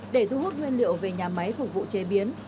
để thu hút nguyên liệu về nhà máy phục vụ chế biến